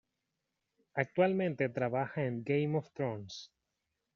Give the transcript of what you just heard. Actualmente trabaja en "Game of Thrones".